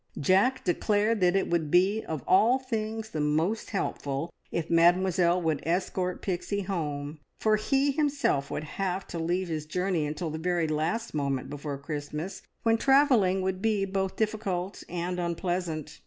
Jack declared that it would be of all things the most helpful if Mademoiselle would escort Pixie home, for he himself would have to leave his journey until the very last moment before Christmas, when travelling would be both difficult and unpleasant.